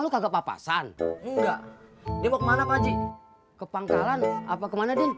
enggak pak san enggak kemana pakji kepangkalan apa ke mana